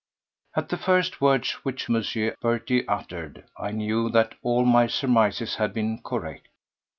At the first words which M. Berty uttered I knew that all my surmises had been correct.